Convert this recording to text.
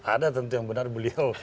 ada tentu yang benar beliau